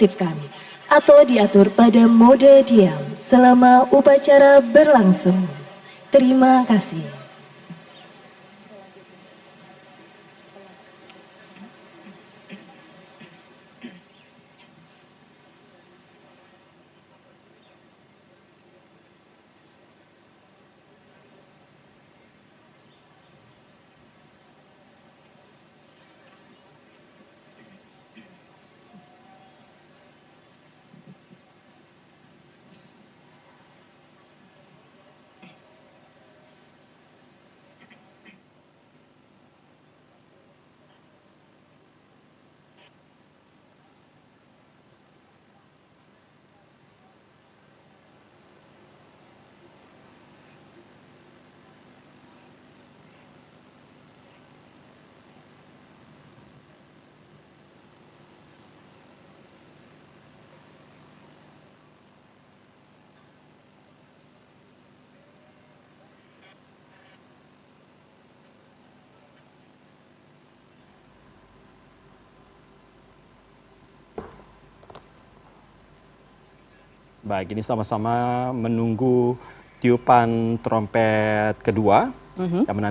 ini ada juga menteri pertahanan